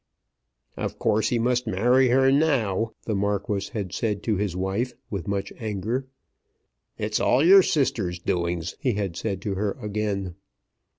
"Of course he must marry her now," the Marquis had said to his wife, with much anger. "It's all your sister's doings," he had said to her again.